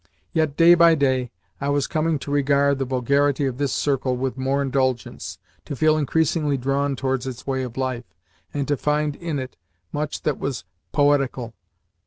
Yet, day by day, I was coming to regard the vulgarity of this circle with more indulgence, to feel increasingly drawn towards its way of life, and to find in it much that was poetical.